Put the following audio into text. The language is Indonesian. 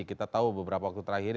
kita tahu beberapa waktu terakhir ini